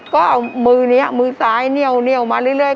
ก็เอามือนี้มือซ้ายเหนียวมาเรื่อย